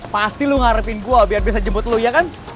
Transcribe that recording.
pasti lo ngarepin gue biar bisa jemput lu ya kan